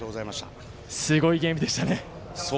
すごいゲームでしたね。